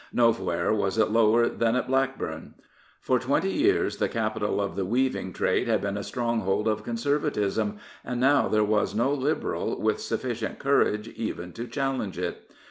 Nowhere was it lower than at Blackburn. For twenty years the capital of the weaving trade had been a stronghold of Conservatism, and now there was no Liberal with sufficient courage even to challenge it.